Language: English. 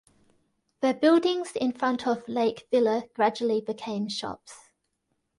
The buildings in front of Lake Villa gradually became shops.